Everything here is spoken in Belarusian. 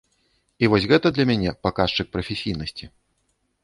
І вось гэта для мяне паказчык прафесійнасці.